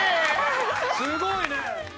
すごいね。